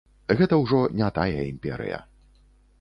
Гэта ўжо не тая імперыя.